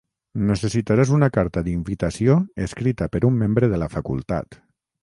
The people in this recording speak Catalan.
Necessitaràs una carta d'invitació escrita per un membre de la facultat.